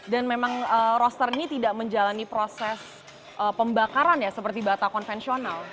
dan memang roster ini tidak menjalani proses pembakaran seperti bata konvensional